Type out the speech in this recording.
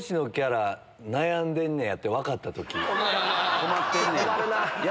困ってんねや！